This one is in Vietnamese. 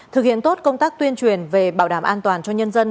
thực hiện tốt công tác tuyên truyền về bảo đảm an toàn cho nhân dân